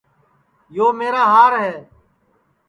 یو میرا ہار ہے